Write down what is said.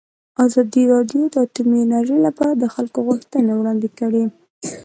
ازادي راډیو د اټومي انرژي لپاره د خلکو غوښتنې وړاندې کړي.